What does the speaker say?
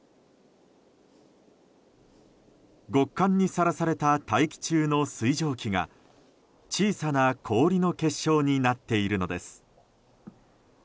極寒にさらされた大気中の水蒸気が小さな氷の結晶になっているのです。